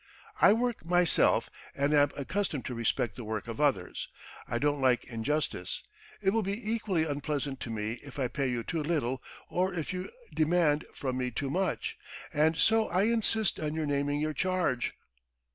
"I work myself and am accustomed to respect the work of others. I don't like injustice. It will be equally unpleasant to me if I pay you too little, or if you demand from me too much, and so I insist on your naming your charge."